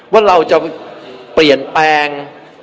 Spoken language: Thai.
ว่าเราจะเปลี่ยนแปลง